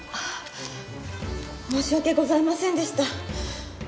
ああ申し訳ございませんでした。